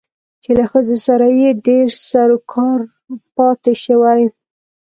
چې له ښځو سره يې ډېر سرو کارو پاتې شوى